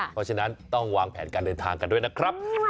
เพราะฉะนั้นต้องวางแผนการเดินทางกันด้วยนะครับ